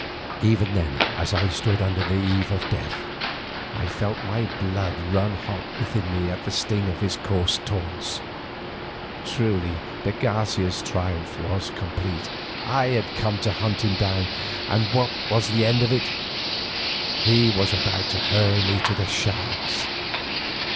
Even then, as I stood upon the eve of death, I felt my blood run hot within me at the sting of his coarse taunts. Truly de Garcia's triumph was complete. I had come to hunt him down, and what was the end of it? He was about to hurl me to the sharks.